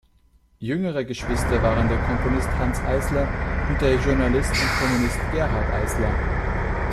Jüngere Geschwister waren der Komponist Hanns Eisler und der Journalist und Kommunist Gerhart Eisler.